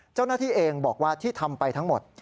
เจ้าหน้าที่เองบอกว่าที่ทำไปทั้งหมด